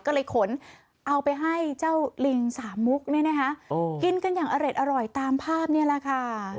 ก็เลยขนเอาไปให้เจ้าลิงสามมุกเนี่ยนะคะกินกันอย่างอร่อยตามภาพนี่แหละค่ะ